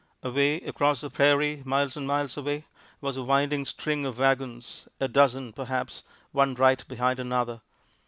Away across the prairie, miles and miles away, was a winding string of wagons, a dozen perhaps, one right behind another.